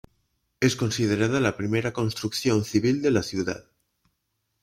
Es considerada la primera construcción civil de la ciudad.